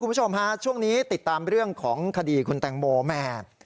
คุณผู้ชมฮะช่วงนี้ติดตามเรื่องของคดีคุณแตงโมแม่